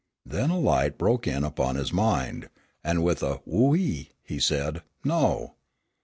Then a light broke in upon his mind, and with a "Whoo ee!" he said, "No!"